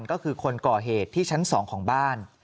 ก็คือคนก่อเหตุที่ชั้น๒ของบ้าน